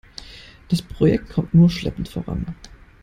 Das Projekt kommt nur schleppend voran.